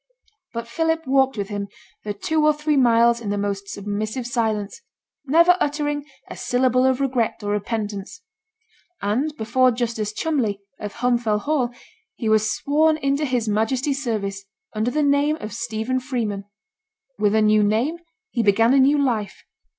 But Philip walked with him the two or three miles in the most submissive silence, never uttering a syllable of regret or repentance; and before Justice Cholmley, of Holm Fell Hall, he was sworn into his Majesty's service, under the name of Stephen Freeman. With a new name, he began a new life.